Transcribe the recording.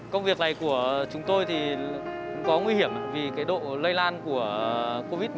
công việc này của chúng tôi thì cũng có nguy hiểm vì cái độ lây lan của covid một mươi